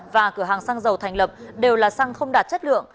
và cửa hàng xăng dầu thành lập đều là xăng không đạt chất lượng